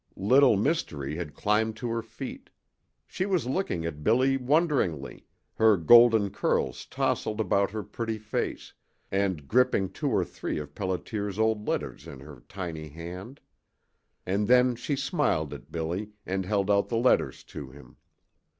Little Mystery had climbed to her feet. She was looking at Billy wonderingly, her golden curls tousled about her pretty face, and gripping two or three of Pelliter's old letters in her tiny hand. And then she smiled at Billy and held out the letters to him.